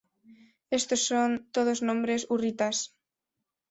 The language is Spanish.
Estos son todos nombres hurritas.